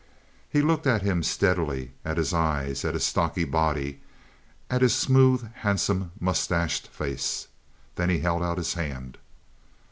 He looked at him steadily, at his eyes, at his stocky body, at his smooth, handsome, mustached face. Then he held out his hand.